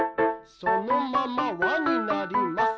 そのままわになります。